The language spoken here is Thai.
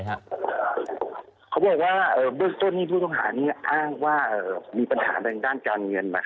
เขาบอกว่าด้วยส่วนผู้ต้องหาอ้างว่ามีปัญหาในด้านการเงิน